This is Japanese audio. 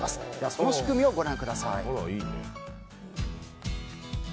その仕組みをご覧ください。